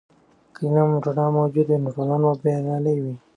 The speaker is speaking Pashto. که د علم رڼا موجوده وي، نو ټولنه به بریالۍ وي.